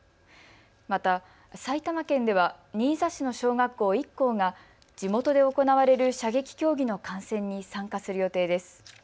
また、埼玉県では新座市の小学校１校が地元で行われる射撃競技の観戦に参加する予定です。